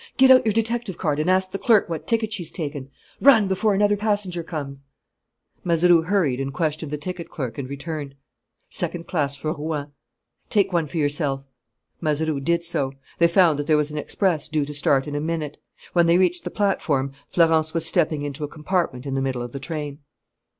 "Get out your detective card and ask the clerk what ticket she's taken. Run, before another passenger comes." Mazeroux hurried and questioned the ticket clerk and returned: "Second class for Rouen." "Take one for yourself." Mazeroux did so. They found that there was an express due to start in a minute. When they reached the platform Florence was stepping into a compartment in the middle of the train.